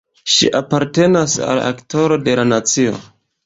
Ŝi apartenas al Aktoro de la nacio.